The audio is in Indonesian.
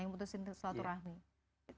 yang memutuskan silaturahim